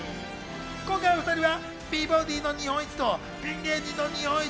今回、お２人は美ボディの日本一とピン芸人の日本一。